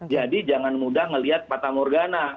jadi jangan mudah melihat patah morgana